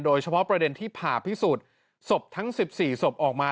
โดยเฉพาะประเด็นที่ผ่าพิสูจน์ศพทั้ง๑๔ศพออกมา